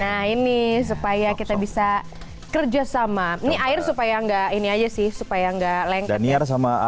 nah ini supaya kita bisa kerjasama nih air supaya enggak ini aja sih supaya enggak lengket danir sama